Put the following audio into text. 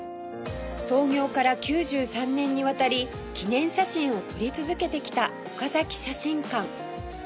創業から９３年にわたり記念写真を撮り続けてきた岡崎写真館